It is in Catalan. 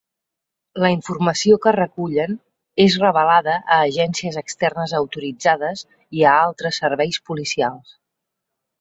La informació que recullen és revelada a agències externes autoritzades i a altres serveis policials.